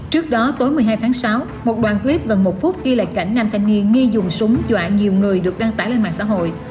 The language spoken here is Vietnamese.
trước đó tối một mươi hai tháng sáu một đoạn clip gần một phút ghi lại cảnh nam thanh niên nghi dùng súng dọa nhiều người được đăng tải lên mạng xã hội